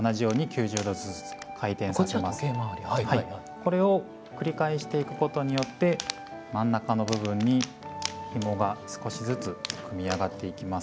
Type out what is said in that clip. これを繰り返していくことによって真ん中の部分にひもが少しずつ組み上がっていきます。